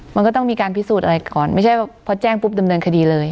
มันก็ต้องมีการพิสูจน์อะไรก่อน